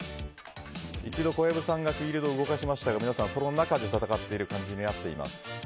一度小籔さんがフィールドを動かしましたが皆さん、その中で戦っている感じになっています。